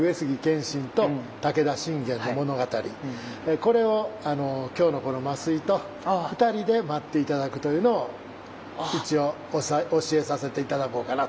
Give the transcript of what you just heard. これを今日のこの増井と二人で舞って頂くというのを一応教えさせて頂こうかなと。